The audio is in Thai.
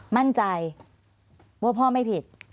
มั่นใจว่าพ่อไม่ผิด